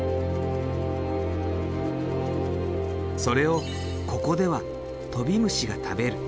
それをここではトビムシが食べる。